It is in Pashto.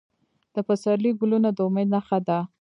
د پسرلي ګلونه د امید نښه ده.